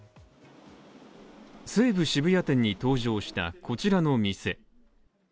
西武渋谷店に登場したこちらのお店。